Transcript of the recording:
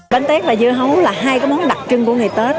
bánh tét và dưa hấu là hai cái món đặc trưng của ngày tết